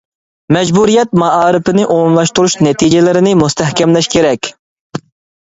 مەجبۇرىيەت مائارىپىنى ئومۇملاشتۇرۇش نەتىجىلىرىنى مۇستەھكەملەش كېرەك.